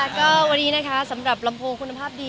ทีนี้สำหรับลำโพงคุณภาพดี